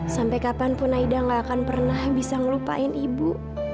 sampai kapanpun naida gak akan pernah bisa ngelupain ibu